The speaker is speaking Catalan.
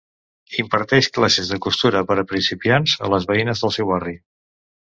Imparteix classes de costura per a principiants a les veïnes del seu barri.